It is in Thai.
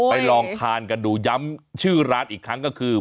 ลองทานกันดูย้ำชื่อร้านอีกครั้งก็คือ